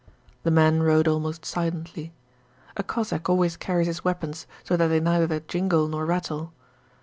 The men rode almost silently. A Cossack always carries his weapons so that they neither jingle nor rattle.